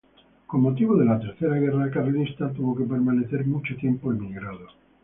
Con motivo de la Tercera guerra carlista, tuvo que permanecer mucho tiempo emigrado.